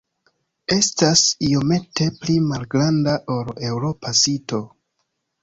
Estas iomete pli malgranda ol eŭropa sito.